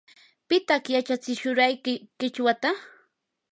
¿pitaq yachatsishurqayki qichwata?